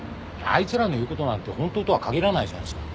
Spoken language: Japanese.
あいつらの言う事なんて本当とは限らないじゃないですか。